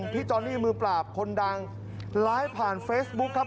จอนนี่มือปราบคนดังไลฟ์ผ่านเฟซบุ๊คครับ